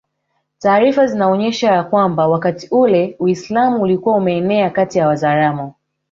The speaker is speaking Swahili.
Taarifa zinaonyesha ya kwamba wakati ule Uislamu ulikuwa umeenea kati ya Wazaramo